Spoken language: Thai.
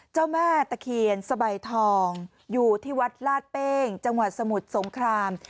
เจ้าแม่ตะเคียนสบายทองอยู่ที่วัดลาดเป้งจังหวัดสมุทรสงคราม